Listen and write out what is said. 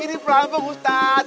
ini pelampung ustaz